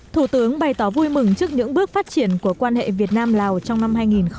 thủ tướng bày tỏ vui mừng trước những bước phát triển của quan hệ việt nam lào trong năm hai nghìn một mươi tám